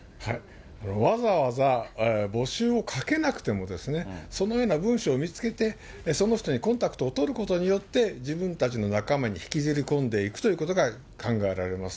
わざわざ募集をかけなくても、そのような文章を見つけて、その人にコンタクトを取ることによって、自分たちの仲間に引きずり込んでいくということが考えられます。